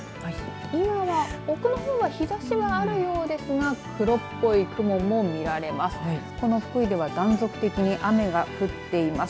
今は奥の方は日ざしはあるようですが黒っぽい雲も見られます。